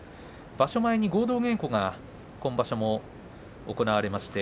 場所前に合同稽古が今場所も行われました。